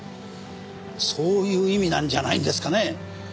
そういう意味なんじゃないんですかね。